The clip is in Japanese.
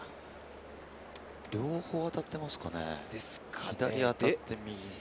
両方当たってますかね。